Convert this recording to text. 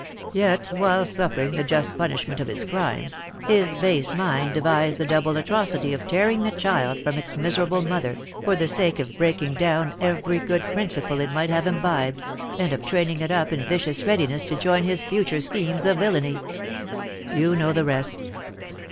Yet, while suffering the just punishment of his crimes, his base mind devised the double atrocity of tearing the child from its miserable mother, for the sake of breaking down every good principle it might have imbibed, and of training it up in vicious readiness to join his future schemes of villainy. You know the rest.